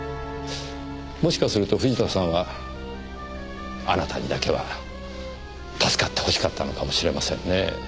もしかすると藤田さんはあなたにだけは助かってほしかったのかもしれませんねぇ。